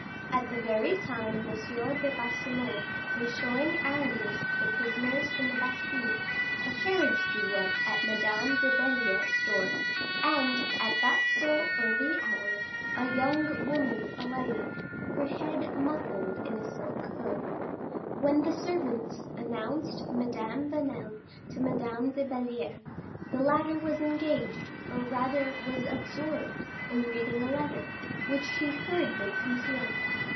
At the very time M. de Baisemeaux was showing Aramis the prisoners in the Bastile, a carriage drew up at Madame de Belliere's door, and, at that still early hour, a young woman alighted, her head muffled in a silk hood. When the servants announced Madame Vanel to Madame de Belliere, the latter was engaged, or rather was absorbed, in reading a letter, which she hurriedly concealed.